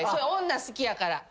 女好きやから。